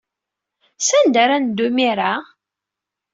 Sanda ara neddu imir-a?